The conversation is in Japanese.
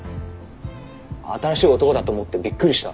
新しい男だと思ってびっくりした。